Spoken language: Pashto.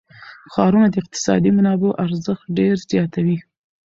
ښارونه د اقتصادي منابعو ارزښت ډېر زیاتوي.